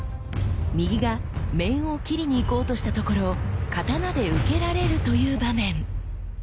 右が面を斬りにいこうとしたところ刀で受けられるという場面。